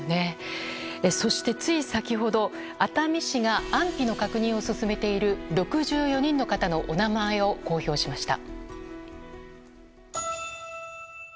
そして、つい先ほど熱海市が安否の確認を進めている６４人の方のお名前を公表しました。